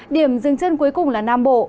điểm dừng chân cuối cùng là nam bộ